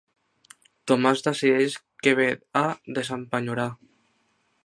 Tomàs decideix que ve a desempenyorar.